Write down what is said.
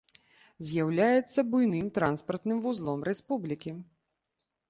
З'яўляецца буйным транспартным вузлом рэспублікі.